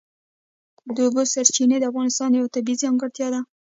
د اوبو سرچینې د افغانستان یوه طبیعي ځانګړتیا ده.